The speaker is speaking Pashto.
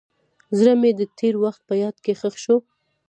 زړه مې د تېر وخت په یاد کې ښخ شو.